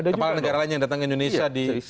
kepala negara lain yang datang ke indonesia di